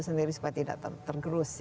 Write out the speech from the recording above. sendiri supaya tidak tergerus